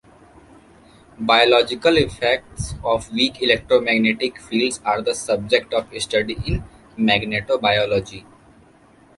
Biological effects of weak electromagnetic fields are the subject of study in magnetobiology.